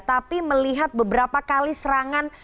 tapi melihat beberapa kali serangan